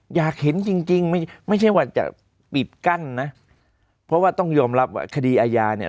อยากเห็นจริงจริงไม่ใช่ว่าจะปิดกั้นนะเพราะว่าต้องยอมรับว่าคดีอาญาเนี่ย